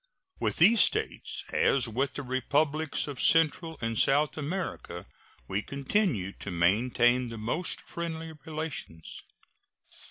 With these States, as with the Republics of Central and of South America, we continue to maintain the most friendly relations.